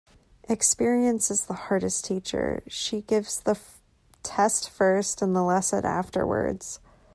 Experience is the hardest teacher. She gives the test first and the lesson afterwards.